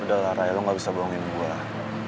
udah lah raya lo gak bisa bohongin gue lah